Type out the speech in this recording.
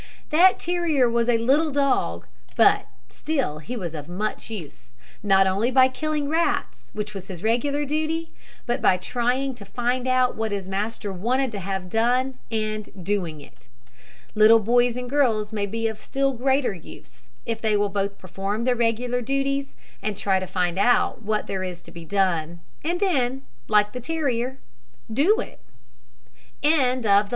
That terrier was a little dog, but still he was of much use, not only by killing rats, which was his regular duty, but by trying to find out what his master wanted to have done, and doing it. Little boys and girls may be of still greater use, if they will both perform their regular duties, and try to find out what there is to be done, and then, like the terrier, do it.